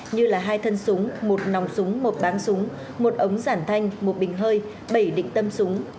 như là hai thân súng một nòng súng một bán súng một ống giảm thanh một bình hơi bảy định tâm súng